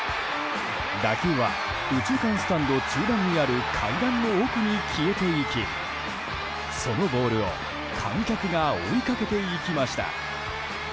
打球は右中間スタンド中段にある階段の奥に消えていきそのボールを観客が追いかけていきました。